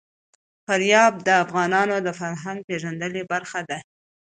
فاریاب د افغانانو د فرهنګي پیژندنې برخه ده.